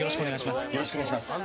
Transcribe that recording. よろしくお願いします。